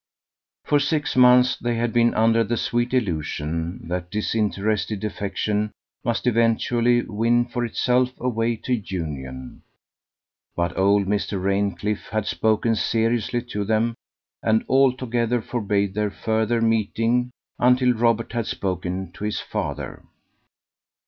For six months they had been under the sweet illusion that disinterested affection must eventually win for itself a way to union; but old Mr. Raincliffe had spoken seriously to them, and altogether forbade their further meeting until Robert had spoken to his father.